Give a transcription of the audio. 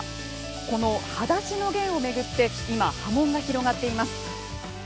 この「はだしのゲン」を巡って今、波紋が広がっています。